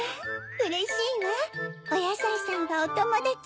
うれしいわおやさいさんがおともだち。